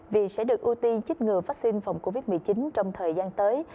vì sẽ được ưu tiên chích ngừa vaccine phòng covid một mươi chín trong thời gian tới